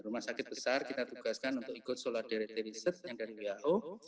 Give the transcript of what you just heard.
rumah sakit besar kita tugaskan untuk ikut solidarity research yang dari who